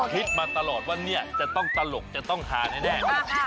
คิดมาตลอดว่าจะต้องตลกจะต้องทานแน่